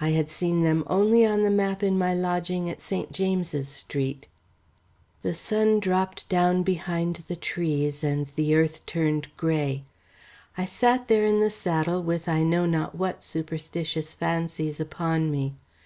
I had seen them only on the map in my lodging at St. James's Street. The sun dropped down behind the trees, and the earth turned grey. I sat there in the saddle with I know not what superstitious fancies upon me.